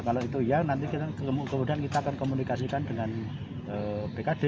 kalau itu ya nanti kemudian kita akan komunikasikan dengan bkd